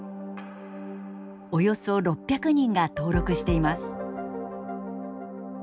およそ６００人が登録しています。